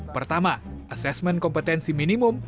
pertama asesmen kompetensi minimum